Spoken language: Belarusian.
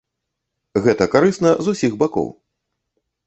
Гэта карысна з усіх бакоў.